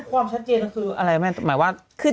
ความชัดเจนก็คือ